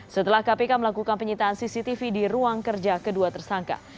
setelah kpk melakukan penyitaan cctv di ruang kerja kedua tersangka